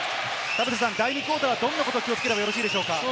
第２クオーター、どんなことを気をつければよろしいでしょうか？